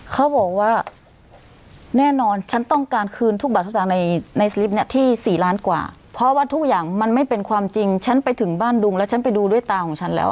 เขาบอกว่าแน่นอนฉันต้องการคืนทุกบาททุกสตางค์ในสลิปเนี่ยที่๔ล้านกว่าเพราะว่าทุกอย่างมันไม่เป็นความจริงฉันไปถึงบ้านดุงแล้วฉันไปดูด้วยตาของฉันแล้ว